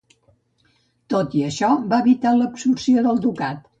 Tot i això, va evitar l'absorció del ducat.